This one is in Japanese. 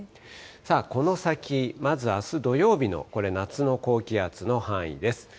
さあ、この先、まずあす土曜日の、これ夏の高気圧の範囲です。